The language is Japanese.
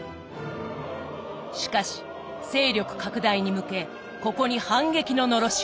しかし勢力拡大に向けここに反撃ののろしを上げた。